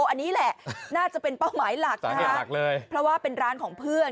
อันนี้แหละน่าจะเป็นเป้าหมายหลักนะคะหลักเลยเพราะว่าเป็นร้านของเพื่อน